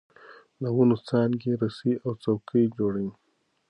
د ونو څانګې رسۍ او څوکۍ جوړوي.